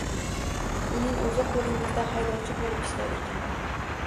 Uning o`zi qo`lingizda haydovchi bo`lib ishlar ekan